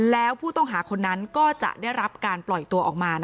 แล้วผู้ต้องหาคนนั้นก็จะได้รับการปล่อยตัวออกมา